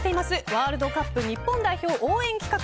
ワールドカップ日本代表応援企画